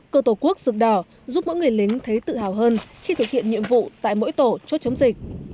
cơ tổ quốc rực đỏ giúp mỗi người lính thấy tự hào hơn khi thực hiện nhiệm vụ tại mỗi tổ chốt chống dịch